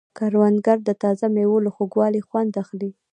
کروندګر د تازه مېوو له خوږوالي خوند اخلي